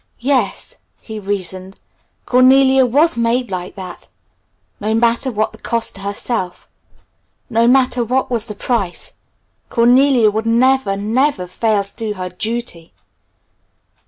"Yes!" he reasoned, "Cornelia was made like that! No matter what the cost to herself no matter what was the price Cornelia would never, never fail to do her duty!"